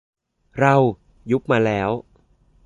เรา ยุบมาแล้ว